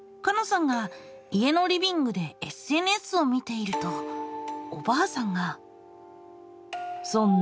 さんが家のリビングでＳＮＳを見ているとおばあさんが。